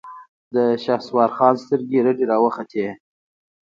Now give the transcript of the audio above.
د شهسوار خان سترګې رډې راوختې.